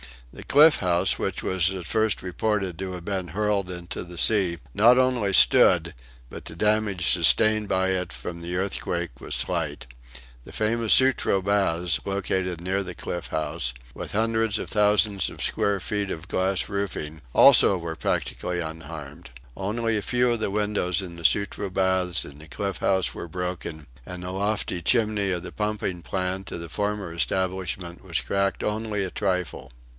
The Cliff House, which was at first reported to have been hurled into the sea, not only stood, but the damage sustained by it from the earthquake was slight. The famous Sutro baths, located near the Cliff House, with the hundreds of thousands of square feet of glass roofing, also were practically unharmed. Only a few of the windows in the Sutro baths and the Cliff House were broken, and the lofty chimney of the pumping plant of the former establishment was cracked only a trifle.